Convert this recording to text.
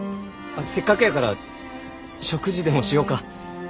せっかくやから食事でもしようか。